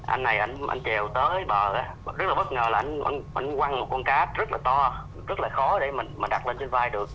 anh này anh chèo tới bờ rất là bất ngờ là anh quăng một con cá rất là to rất là khó để mà đặt lên vai được